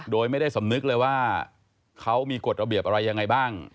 โดยไม่ได้สำนึกเลยว่าเขามีกฎระเบียบอะไรยังไงบ้าง